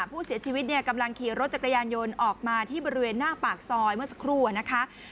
ผู้เสียชีวิตเนี่ยกำลังขี่รถจักรยานยนต์ออกมาที่บริเวณหน้าปากซอยเมื่อสักครู่อะนะคะ